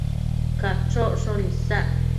Cachocshon isac